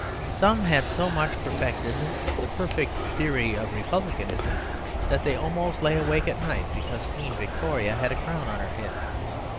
Some had so much perfected the perfect theory of republicanism that they almost lay awake at night because Queen Victoria had a crown on her head.